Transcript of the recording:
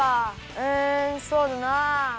うんそうだなあ。